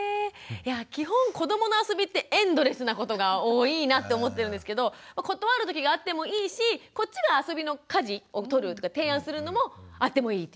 基本子どもの遊びってエンドレスなことが多いなって思ってるんですけど断るときがあってもいいしこっちが遊びの舵をとるとか提案するのもあってもいいっていうことですね。